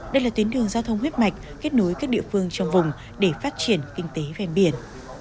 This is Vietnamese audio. đây là tuyến đường giao thông huyết mạch kết nối các địa phương trong vùng để phát triển kinh tế ven biển